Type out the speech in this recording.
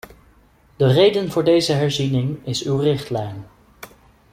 De reden voor deze herziening is uw richtlijn.